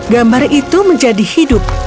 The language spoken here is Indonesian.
gambar itu menjadi hidup